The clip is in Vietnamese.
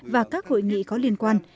và các hội nghị có liên quan